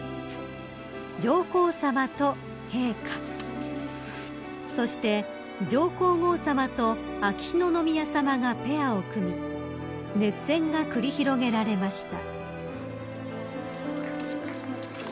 ［上皇さまと陛下そして上皇后さまと秋篠宮さまがペアを組み熱戦が繰り広げられました］